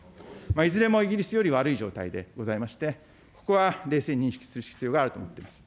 いずれもイギリスより悪い状態でございまして、ここは冷静に認識する必要があると思っております。